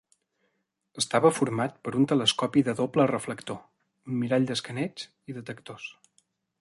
Estava format per un telescopi de doble reflector, un mirall d'escaneig i detectors.